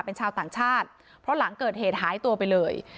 เป็นชาวต่างชาติเพราะหลังเกิดเหตุหายตัวไปเลย